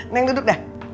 neng duduk dah